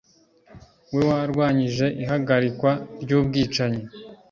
we warwanyije ihagarikwa ry'ubwicanyi